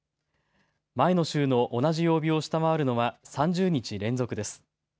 前の週の同じ曜日を下回るのは３０日連続です。